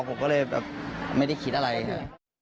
ผมก็เลยแบบไม่ได้คิดอะไรเลย